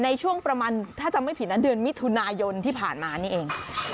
ในช่วงประมาณถ้าจำไม่ผิดนะเดือนมิถุนายนที่ผ่านมานี่เอง